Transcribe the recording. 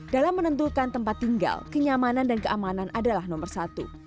dalam menentukan tempat tinggal kenyamanan dan keamanan adalah nomor satu